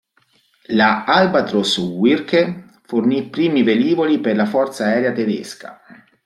La Albatros-Werke fornì i primi velivoli per la forza aerea tedesca.